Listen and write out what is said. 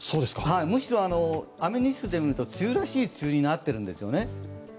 むしろ、雨日数で見ると梅雨らしい梅雨になってるんです。